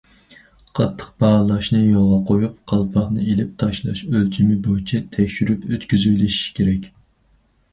قاتتىق باھالاشنى يولغا قويۇپ، قالپاقنى ئېلىپ تاشلاش ئۆلچىمى بويىچە تەكشۈرۈپ ئۆتكۈزۈۋېلىش كېرەك.